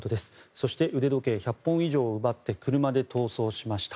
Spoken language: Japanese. そして腕時計１００本以上を奪って車で逃走しました。